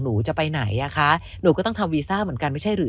หนูจะไปไหนอ่ะคะหนูก็ต้องทำวีซ่าเหมือนกันไม่ใช่หรือ